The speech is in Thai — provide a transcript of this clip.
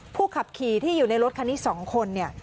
ผู้ขับขี่ที่อยู่ในรถคันนี้๒คนเนี่ย